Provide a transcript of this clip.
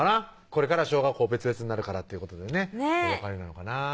これからは小学校別々になるからっていうことでねお別れなのかなぁ